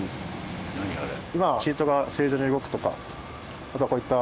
今今シートが正常に動くとかあとはこういった。